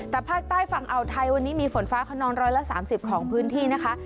แต่ภาคใต้ฝั่งอ่าวไทยวันนี้มีฝนฟ้าขนองร้อยละ๓๐ของพื้นที่นะคะ